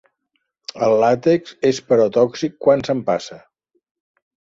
El làtex és però tòxic quan s'empassa.